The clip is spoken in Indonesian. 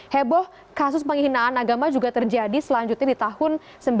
heboh kasus penghinaan agama juga terjadi selanjutnya di tahun seribu sembilan ratus sembilan puluh